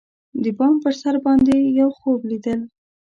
د بام پر سر باندی یوخوب لیدل